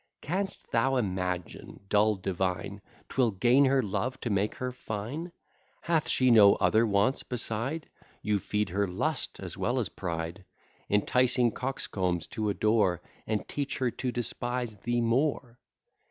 Canst thou imagine, dull divine, 'Twill gain her love, to make her fine? Hath she no other wants beside? You feed her lust as well as pride, Enticing coxcombs to adore, And teach her to despise thee more.